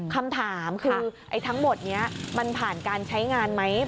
คำถามคือทั้งหมดนี้มันผ่านการใช้งานไหม